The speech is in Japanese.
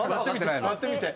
割ってみて。